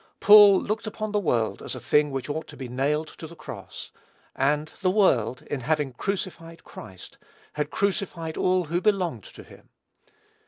Paul looked upon the world as a thing which ought to be nailed to the cross; and the world, in having crucified Christ, had crucified all who belonged to him.